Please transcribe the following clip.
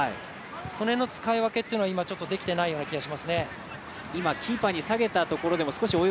その辺の使い分けっていうのはちょっと今、できていないような気がしますね。